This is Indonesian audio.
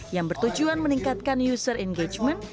yang bertujuan meningkatkan user engagement